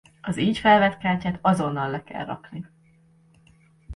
Az így felvett kártyát azonnal le kell rakni!